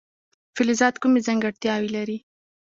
فلزات کومې ځانګړتیاوې لري.